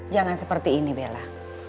jangan seperti ini bella